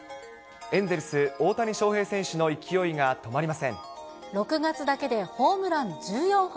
エンゼルス、大谷翔平選手の勢い６月だけでホームラン１４本。